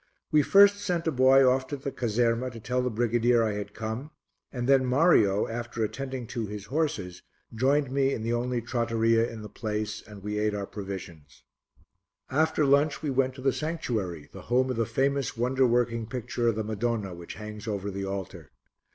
We first sent a boy off to the caserma to tell the brigadier I had come, and then Mario, after attending to his horses, joined me in the only trattoria in the place and we ate our provisions. After lunch we went to the sanctuary, the home of the famous wonder working picture of the Madonna which hangs over the altar.